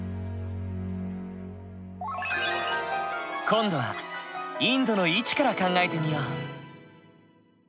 今度はインドの位置から考えてみよう。